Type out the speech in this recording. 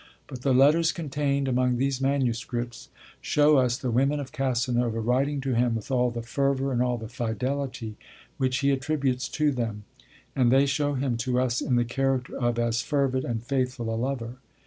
But the letters contained among these manuscripts show us the women of Casanova writing to him with all the fervour and all the fidelity which he attributes to them; and they show him to us in the character of as fervid and faithful a lover.